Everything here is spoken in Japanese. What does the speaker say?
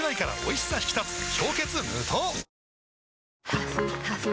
ハフハフ